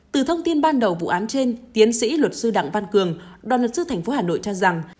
từ thông tin ban đầu vụ án trên tiến sĩ luật sư đặng văn cường đoàn luật sư tp hà nội cho rằng